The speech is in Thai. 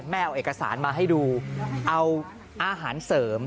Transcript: เอาเอกสารมาให้ดูเอาอาหารเสริม